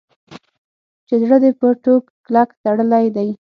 چې زړه دې په ټوک کلک تړلی دی.